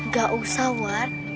gak usah war